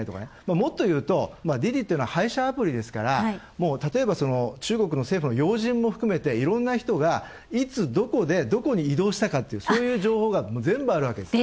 もっと言うと滴滴っていうのは配車アプリですからたとえば、中国の政府の要人も含めていろんな人が、いつ、どこで、どこに移動したかというそういう情報が全部あるわけですよ。